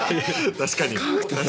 確かにね。